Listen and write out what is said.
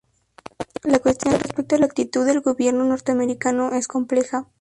La cuestión respecto a la actitud del gobierno norteamericano es compleja.